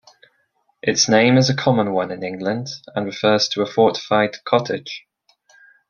Its name is a common one in England, and refers to a fortified cottage.